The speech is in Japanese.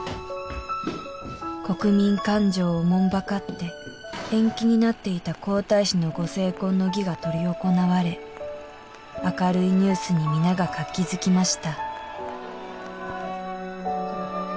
国民感情をおもんばかって延期になっていた皇太子のご成婚の儀が執り行われ明るいニュースに皆が活気づきました